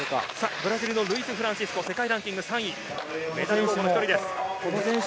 ブラジルのルイス・フランシスコ、世界ランキング３位です。